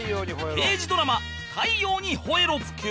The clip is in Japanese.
刑事ドラマ『太陽にほえろ！』